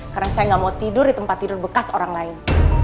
karena saya gak mau tidur di tempat tidur bekas orang lain